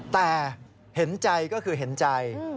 แต่เห็นใจก็คือเห็นใจ